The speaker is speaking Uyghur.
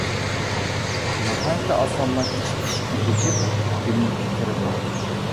ناھايىتى ئاسانلا كىچىك ئىشىكنى ئېچىپ گۈللۈككە كىرىدۇ.